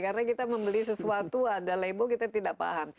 karena kita membeli sesuatu ada label kita tidak paham